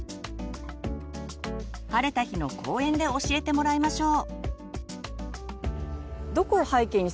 晴れた日の公園で教えてもらいましょう。